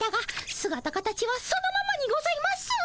すがた形はそのままにございます。